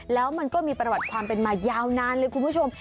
แล้วมันก็มีประวัติความเป็นมายาวนานเลยคุณผู้ชม